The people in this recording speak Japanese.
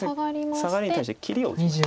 サガリに対して切りを打ちました。